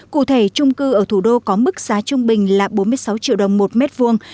cụ thể trung cư ở thủ đô có mức giá trung bình là bốn mươi sáu triệu đồng một mét vuông